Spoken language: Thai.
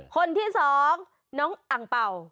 คนที่สองน้องอังเป่า